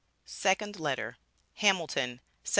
SECOND LETTER. HAMILTON, Sept.